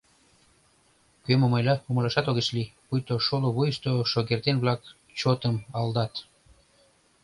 Кӧ мом ойла — умылашат огеш лий, пуйто шоло вуйышто шогертен-влак чотым алдат.